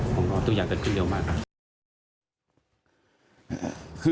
ผมต้องการทุกอย่างเร็วมาก